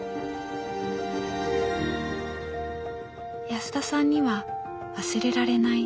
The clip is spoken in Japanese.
安田さんには忘れられない